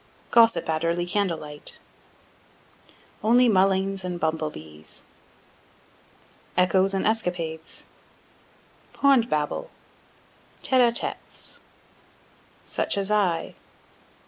Gossip at Early Candle light, Only Mulleins and Bumble Bees, Echoes and Escapades, Pond Babble....Tête a Têtes, Such as I....